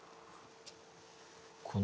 この。